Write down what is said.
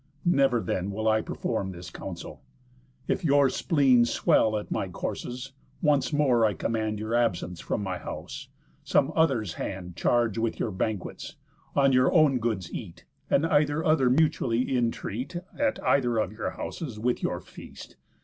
Never then Will I perform this counsel. If your spleen Swell at my courses, once more I command Your absence from my house; some other's hand Charge with your banquets; on your own goods eat, And either other mutually in treat, At either of your houses, with your feast.